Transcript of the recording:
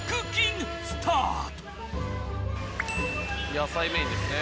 野菜メインですね